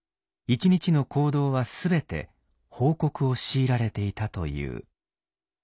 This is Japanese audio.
一日の行動は全て報告を強いられていたという。